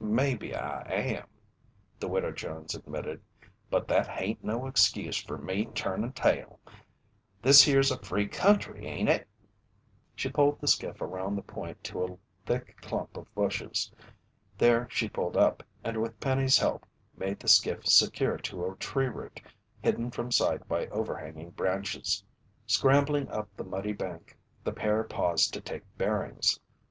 "Maybe I am," the Widow Jones admitted. "But that hain't no excuse fer me turnin' tail! This here's a free country ain't it?" She poled the skiff around the point to a thick clump of bushes. There she pulled up, and with Penny's help made the skiff secure to a tree root hidden from sight by overhanging branches. Scrambling up the muddy bank, the pair paused to take bearings.